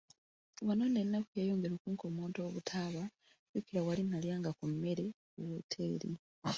Wano nno ennaku yeeyongera okunkommonta obutaaba, jjukira wali nalyanga ku kamere ku woteeri.